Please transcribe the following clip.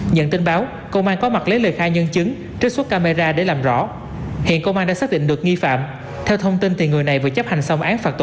nhận tin báo công an có mặt lấy lời khai nhân chứng trích xuất camera để làm rõ hiện công an đã xác định được nghi phạm theo thông tin thì người này vừa chấp hành xong án phạt tù